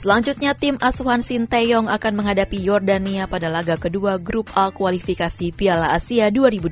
selanjutnya tim asuhan sinteyong akan menghadapi jordania pada laga kedua grup a kualifikasi piala asia dua ribu dua puluh